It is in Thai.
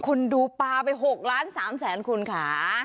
คนดูปลาไป๖ล้าน๓แสนคุณค่ะ